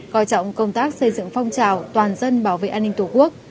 coi trọng công tác xây dựng phong trào toàn dân bảo vệ an ninh tổ quốc